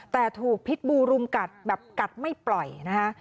แต่ถูกพิษบูรุมกัดแบบกัดไม่ปล่อยนะคะ